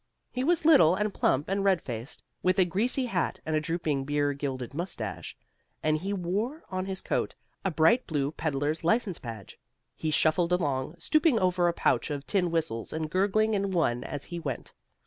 He was little and plump and red faced, with a greasy hat and a drooping beer gilded moustache, and he wore on his coat a bright blue peddler's license badge. He shuffled along, stooping over a pouch of tin whistles and gurgling in one as he went.